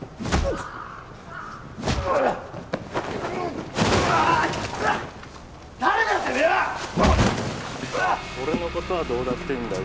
うわっ俺のことはどうだっていいんだ